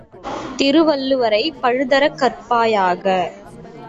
திருவள்ளுவரைப் பழுதறக் கற்பாயாக!